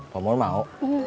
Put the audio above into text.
pak momon mau